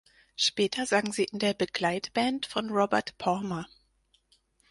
Später sang sie in der Begleitband von Robert Palmer.